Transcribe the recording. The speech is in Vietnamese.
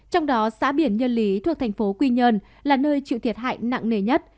trong đó xã biển nhân lý thuộc thành phố quy nhơn là nơi chịu thiệt hại nặng nề nhất